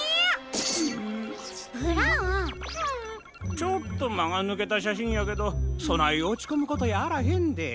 ちょっとまがぬけたしゃしんやけどそないおちこむことやあらへんで。